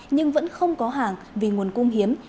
nhưng vẫn không có hàng vì nguồn cung hiếm